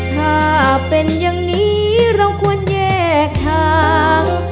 ถ้าเป็นอย่างนี้เราควรแยกทาง